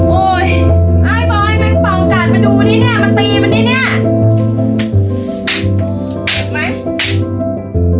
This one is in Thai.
โอ้ยไอ้บอยแมงปองกันมาดูนี่เนี่ยมาตีมันนี่เนี่ย